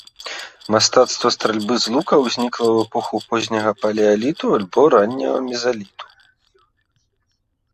Мастацтва стральбы з лука ўзнікла ў эпоху позняга палеаліту альбо ранняга мезаліту.